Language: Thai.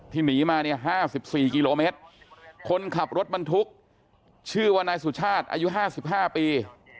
หนีมาเนี่ย๕๔กิโลเมตรคนขับรถบรรทุกชื่อว่านายสุชาติอายุ๕๕ปี